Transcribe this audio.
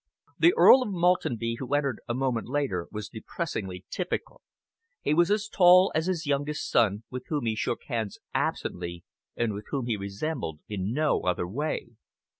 The Earl of Maltenby, who entered a moment later, was depressingly typical. He was as tall as his youngest son, with whom he shook hands absently and whom he resembled in no other way.